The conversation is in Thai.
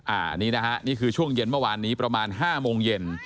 อันนี้นะฮะนี่คือช่วงเย็นเมื่อวานนี้ประมาณ๕โมงเย็น